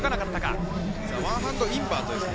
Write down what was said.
ワンハンドインバートですね。